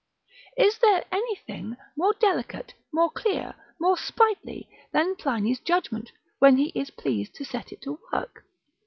Is there anything more delicate, more clear, more sprightly; than Pliny's judgment, when he is pleased to set it to work?